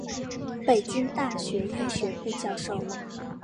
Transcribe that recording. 北京大学医学部教授。